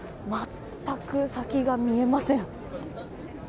全く先が見えません。